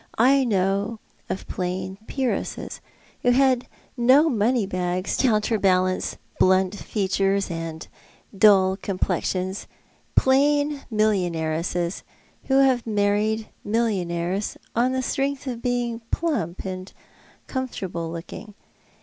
I know of plain Peeresses — who had no money bags to counterbalance blunt features and dull comi^lexions — plain millionairesses, who have married millionaire? on the strengtli of being plump and comfortable looking.